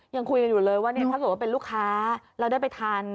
อย่างคุยอยู่เลยว่าเนี่ยถ้าเป็นลูกค้าเราได้ไปทาน